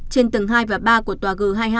trên tầng hai và ba của tòa g hai mươi hai